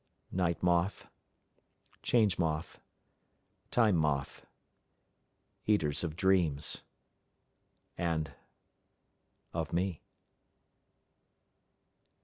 Night Moth, Change Moth, Time Moth, eaters of dreams and of me!